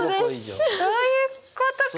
そういうことか。